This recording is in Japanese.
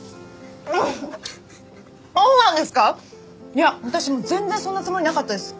いや私全然そんなつもりなかったです。